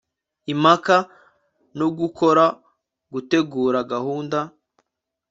impaka no gukora gutegura gahunda